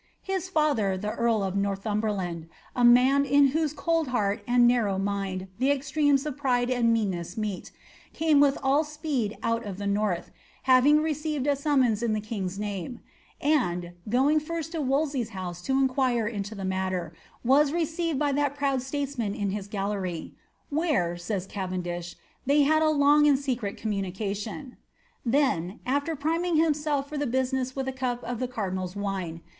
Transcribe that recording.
His &ther, the earl of Northumberland, a man in v heart and narrow mind the extremes of pride and meanness with all speed out of the north, having received a summons in name; and, going first to Wolsey's house to inquire into i was received by that proud statesman in his galler}', ^ where« vendish, ^they had a long and secret communication." 1 priming himself for the business with a cup of the cardinal' ' OavendUh. ▲ KKS BOLBTR.